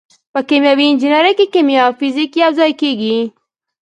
په کیمیاوي انجنیری کې کیمیا او فزیک یوځای کیږي.